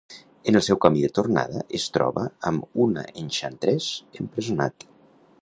En el seu camí de tornada, es troba amb una Enchantress empresonat.